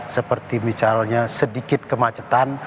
seperti misalnya sedikit kemacetan